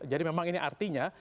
jadi memang ini artinya